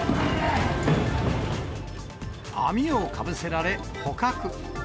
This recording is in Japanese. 網をかぶせられ捕獲。